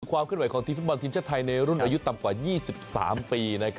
ความขึ้นไหวของทีมฟุตบอลทีมชาติไทยในรุ่นอายุต่ำกว่า๒๓ปี